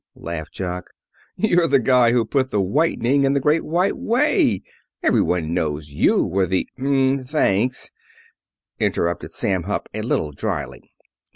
laughed Jock. "You're the guy who put the whitening in the Great White Way. Everybody knows you were the " "M m m, thanks," interrupted Sam Hupp, a little dryly.